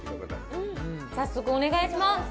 早速お願いします